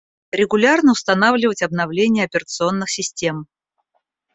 Регулярно устанавливать обновления операционных систем